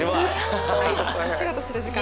お仕事する時間。